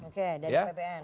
oke dari apbn